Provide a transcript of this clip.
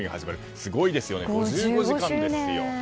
すごいですよね、５５時間ですよ。